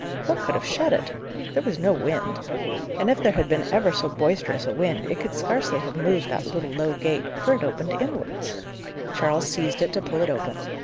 What could have shut it? There was no wind. And if there had been ever so boisterous a wind, it could scarcely have moved that little low gate, for it opened inwards. Charles seized it to pull it open.